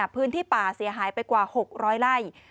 พื้นที่ป่าเสียหายไปกว่า๖๐๐ไร่